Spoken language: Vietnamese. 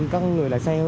các người lái xe hơn